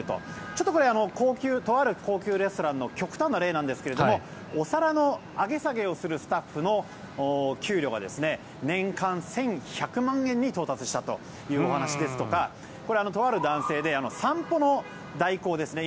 ちょっとこれとある高級レストランの極端な例なんですがお皿の上げ下げをするスタッフの給料が年間１１００万円に到達したという話ですとかとある男性で散歩の代行ですね。